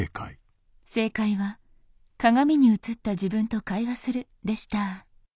正解は「鏡に映った自分と会話する」でした。